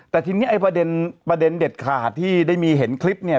แต่ทีนี้ไอ้ประเด็นเด็ดขาดที่ได้มีเห็นคลิปเนี่ย